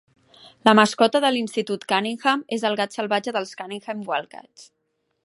La mascota de l'Institut Cunningham és el gat salvatge dels Cunningham Wildcats.